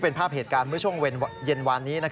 เป็นภาพเหตุการณ์เมื่อช่วงเย็นวานนี้